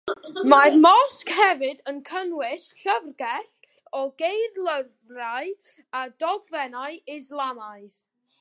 Mae'r mosg hefyd yn cynnwys llyfrgell o gyfeirlyfrau a dogfennau Islamaidd.